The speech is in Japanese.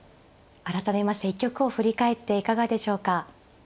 改めまして一局を振り返っていかがでしょうか。